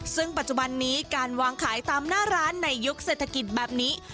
ซึ่งปัจจุบันนี้การวางขายตามหน้าร้านในยุคเศรษฐกิจแบบนี้